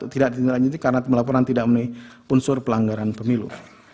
tidak ditindak lanjut karena pelaporan tidak menilai unsur pelanggaran pemilu